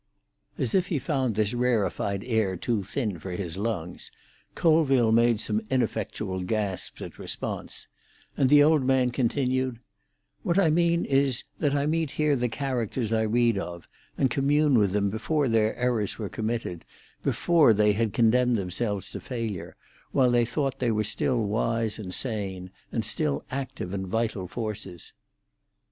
As if he found this rarefied air too thin for his lungs, Colville made some ineffectual gasps at response, and the old man continued: "What I mean is that I meet here the characters I read of, and commune with them before their errors were committed, before they had condemned themselves to failure, while they were still wise and sane, and still active and vital forces."